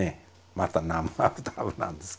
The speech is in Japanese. また「ナムハブタブ」なんですけどね。